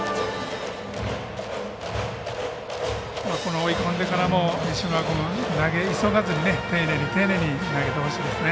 追い込んでからも西村君投げ急がずに丁寧に丁寧に投げてほしいですね。